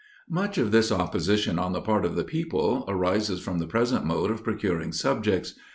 Much of this opposition on the part of the people, arises from the present mode of procuring subjects.